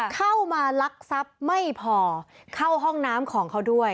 เข้ามาลักทรัพย์ไม่พอเข้าห้องน้ำของเขาด้วย